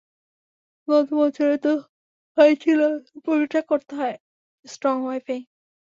গত বছরও তো হয়েছিল, তোর প্রশংশা করতে হয় স্ট্রং ওয়াই-ফাই!